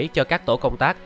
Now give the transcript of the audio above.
cho các tổ công tác